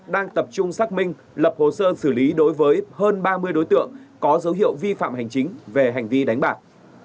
đang tập trung xác minh lập hồ sơ xử lý đối với hơn ba mươi đối tượng có dấu hiệu vi phạm hành chính về hành vi đánh bạc